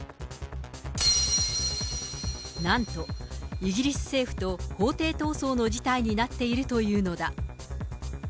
なんとイギリス政府と法廷闘争の事態になっているというのだ。